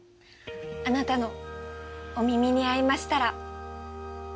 あなたのお耳に合いましたら。